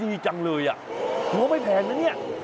ดีจังเลยเพราะไม่แพงแล้วนี่